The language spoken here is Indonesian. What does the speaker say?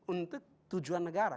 untuk tujuan negara